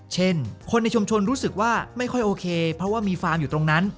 คนในชุมชนรู้สึกว่าไม่ค่อยโอเคเพราะว่ามีฟาร์มอยู่ตรงนั้น